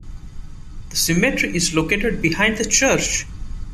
The cemetery is located behind the church.